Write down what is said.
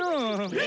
え？